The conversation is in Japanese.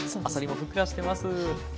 あさりもふっくらしてます。